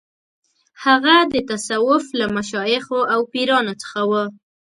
هغه د تصوف له مشایخو او پیرانو څخه و.